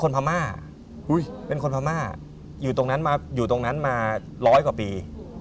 เป็นคนพามาตรงนั้นมา๑๐๐กว่าปี